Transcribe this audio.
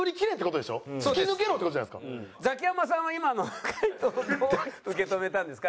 ザキヤマさんは今の回答どう受け止めたんですか？